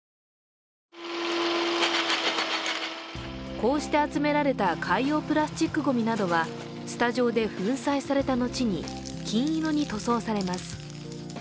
こうして集められた海洋プラスチックごみなどはスタジオで粉砕されたのちに金色に塗装されます。